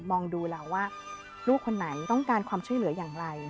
ดูเราว่าลูกคนไหนต้องการความช่วยเหลืออย่างไร